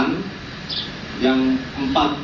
yang empat yang digunakan